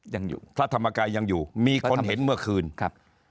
ยังอยู่พระธรรมกายยังอยู่มีคนเห็นเมื่อคืนครับ